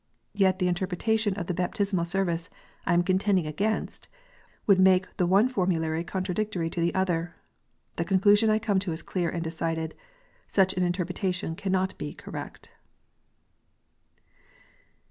Yet the interpreta tion of the Baptismal Service I am contending against would make the one formulary contradictory to the other. The con clusion I come to is clear and decided, such an interpretation cannot be correct.